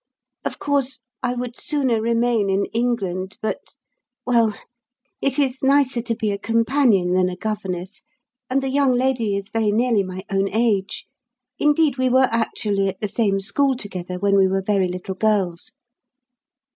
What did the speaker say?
Of course, I would sooner remain in England, but well, it is nicer to be a companion than a governess; and the young lady is very nearly my own age. Indeed, we were actually at the same school together when we were very little girls."